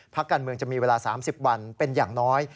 การเมืองจะมีเวลา๓๐วันเป็นอย่างน้อย